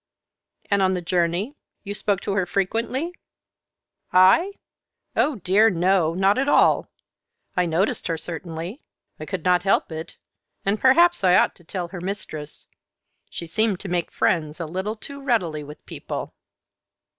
"And on the journey you spoke to her frequently?" "I? Oh, dear, no, not at all. I noticed her, certainly; I could not help it, and perhaps I ought to tell her mistress. She seemed to make friends a little too readily with people."